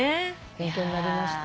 勉強になりました。